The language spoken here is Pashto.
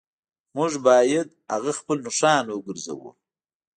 موږ باید هغه خپل نښان وګرځوو